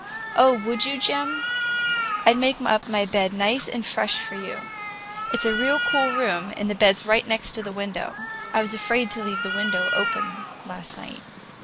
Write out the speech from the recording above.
"Oh, would you, Jim? I'd make up my bed nice and fresh for you. It's a real cool room, and the bed's right next the window. I was afraid to leave the window open last night."